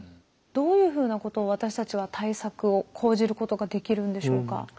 どういうふうなことを私たちは対策を講じることができるんでしょうか？